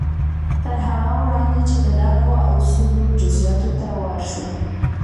تر هغه وړاندې چې د دغو اصولو جزياتو ته ورشو.